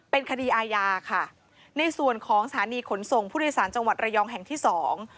เป็นคดีอาญาค่ะในส่วนของสถานีขนส่งผู้โดยสารจังหวัดระยองแห่งที่สอง